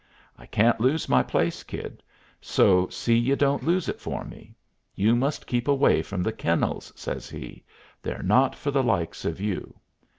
I can't lose my place, Kid, so see you don't lose it for me. You must keep away from the kennels," says he; "they're not for the likes of you.